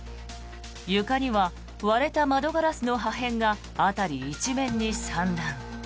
床には割れた窓ガラスの破片が辺り一面に散乱。